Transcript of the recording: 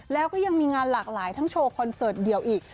แล้วก็ยังมีงานหลากหลายทั้งโชว์คอนเสิร์ตเดียวอีก